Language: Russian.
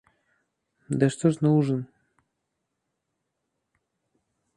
Да что ж ужин?